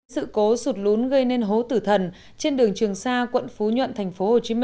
sự cố sụt lún gây nên hố tử thần trên đường trường sa quận phú nhuận tp hcm